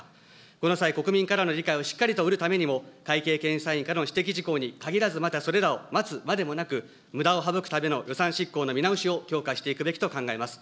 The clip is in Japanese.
この際、国民からの理解をしっかりと得るためにも、会計検査院からの指摘事項にかぎらず、またそれらを待つまでもなく、むだを省くための予算執行の見直しを強化していくべきと考えます。